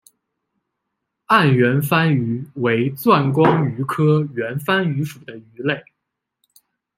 暗圆帆鱼为钻光鱼科圆帆鱼属的鱼类。